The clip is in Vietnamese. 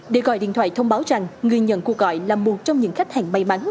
để gọi điện thoại thông báo rằng người nhận cuộc gọi là một trong những khách hàng may mắn